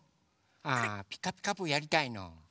あ「ピカピカブ！」やりたいの？